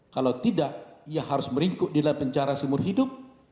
kalau tidak ia harus meringkuk di dalam penjara seumur hidup